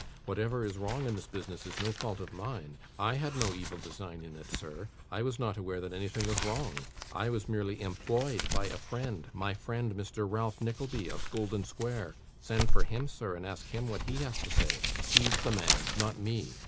Whatever is wrong in this business is no fault of mine. I had no evil design in it, sir. I was not aware that anything was wrong. I was merely employed by a friend, my friend Mr. Ralph Nickleby, of Golden Square. Send for him, sir, and ask him what he has to say; he's the man; not me!"